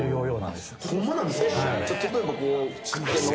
例えば。